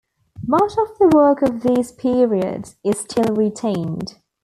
Much of the work of these periods is still retained.